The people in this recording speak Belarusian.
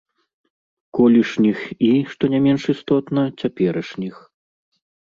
Колішніх і, што не менш істотна, цяперашніх.